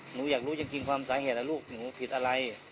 หนูอยากรู้จริงความสาเหตุนะลูกหนูผิดอะไร